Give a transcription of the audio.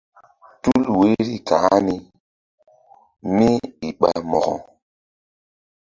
Tul woiri ka̧h ani kémíi ɓa mo̧ko?